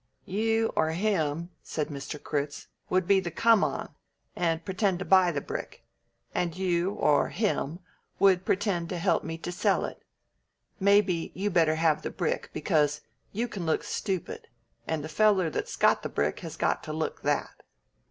"You or him," said Mr. Critz, "would be the 'come on,' and pretend to buy the brick. And you or him would pretend to help me to sell it. Maybe you better have the brick, because you can look stupid, and the feller that's got the brick has got to look that."